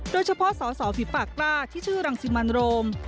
โดยเฉพาะสอสอฝีปากกล้าที่ชื่อรังสิมันโรม